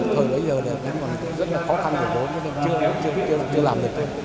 thời bây giờ còn rất là khó khăn để đối với nên chưa làm được